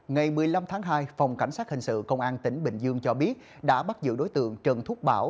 ngày một mươi năm tháng hai phòng cảnh sát hình sự công an tỉnh bình dương cho biết đã bắt giữ đối tượng trần thúc bảo